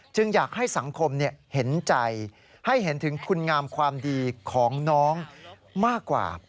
อยากให้สังคมเห็นใจให้เห็นถึงคุณงามความดีของน้องมากกว่า